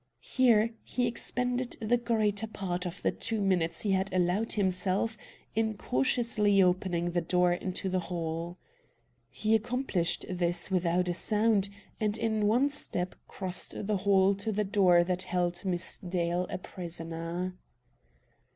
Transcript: Here he expended the greater part of the two minutes he had allowed himself in cautiously opening the door into the hall. He accomplished this without a sound, and in one step crossed the hall to the door that held Miss Dale a prisoner.